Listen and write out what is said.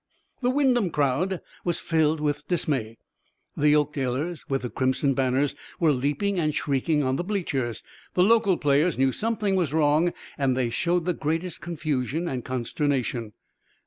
The Wyndham crowd was filled with dismay; the Oakdalers with the crimson banners were leaping and shrieking on the bleachers. The local players knew something was wrong, and they showed the greatest confusion and consternation.